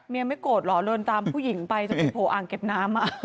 ไม่โกรธเหรอเดินตามผู้หญิงไปจนไปโผล่อ่างเก็บน้ำ